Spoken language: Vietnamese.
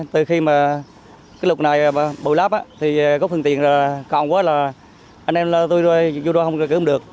từ khi lục này bồi lấp có phương tiện còn quá là anh em tôi vô đô không cứu được